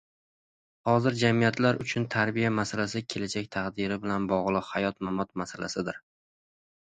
Hozirgi jamiyatlar uchun tarbiya masalasi kelajak taqdiri bilan bog‘liq hayot-mamot masalasidir.